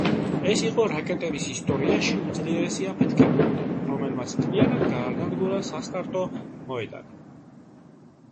ეს იყო რაკეტების ისტორიაში უძლიერესი აფეთქება, რომელმაც მთლიანად გაანადგურა სასტარტო მოედანი.